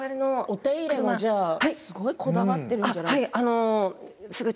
お手入れもすごいこだわっているんじゃないですか。